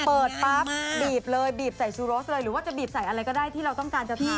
เปิดปั๊บบีบเลยบีบใส่ซูโรสเลยหรือว่าจะบีบใส่อะไรก็ได้ที่เราต้องการจะทำ